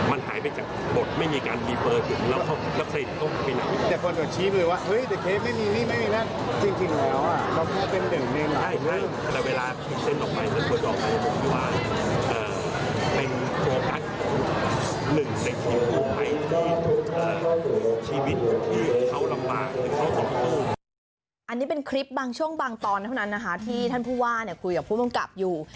อันนี้เป็นคลิปบางช่วงบางตอนเท่านั้นนะคะที่ท่านผู้ว่าคุยกับผู้กำกับอยู่